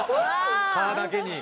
蚊だけに。